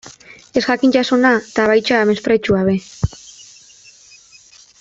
Ezjakintasuna, eta baita mespretxua ere.